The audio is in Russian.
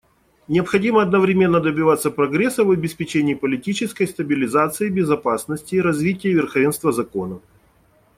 Необходимо одновременно добиваться прогресса в обеспечении политической стабилизации, безопасности, развития и верховенства закона.